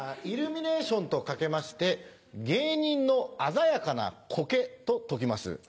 イルミネーションと掛けまして芸人の鮮やかなこけと解きます。